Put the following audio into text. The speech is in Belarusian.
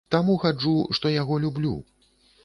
Таму хаджу, што яго люблю.